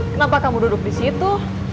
kenapa kamu duduk di situ